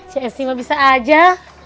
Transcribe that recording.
ceci gak bisa aja